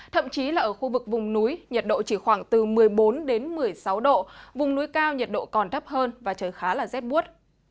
thậm chí là ở khu vực vùng núi nhiệt độ chỉ khoảng từ một mươi bốn đến một mươi sáu độ vùng núi cao nhiệt độ còn thấp hơn và trời khá là rét buốt